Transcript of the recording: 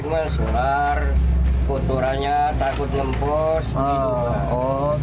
ini yang dikejar kotorannya takut ngempos